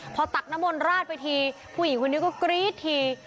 พ่อปู่ฤาษีเทพนรสิงค่ะมีเฮ็ดโฟนเหมือนเฮ็ดโฟน